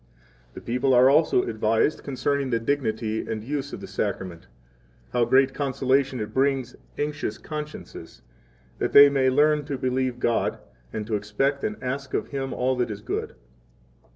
The people are also advised concerning the dignity and use of the Sacrament, how great consolation it brings anxious consciences, that they may learn to believe God, and to expect and ask of Him all that is good.